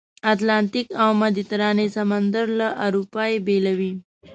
اتلانتیک او مدیترانې سمندر له اروپا یې بېلوي.